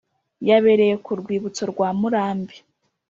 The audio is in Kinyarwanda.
yabereye ku rwibutso rwa Murambi